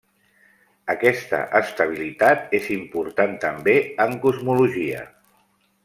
Aquesta estabilitat és important també en cosmologia.